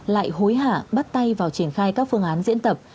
lại hối hả bắt tay vào triển khai các phương án diễn tập